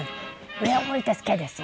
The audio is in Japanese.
上を向いて突け！」ですよ。